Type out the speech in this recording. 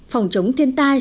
phòng chống thiên tai